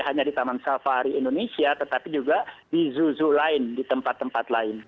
hanya di taman safari indonesia tetapi juga di zuzu lain di tempat tempat lain